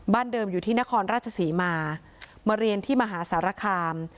เดิมอยู่ที่นครราชศรีมามาเรียนที่มหาสารคาม